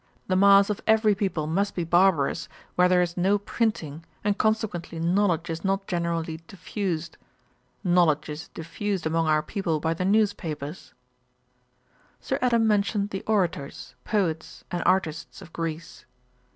The mass of every people must be barbarous where there is no printing, and consequently knowledge is not generally diffused. Knowledge is diffused among our people by the news papers.' Sir Adam mentioned the orators, poets, and artists of Greece.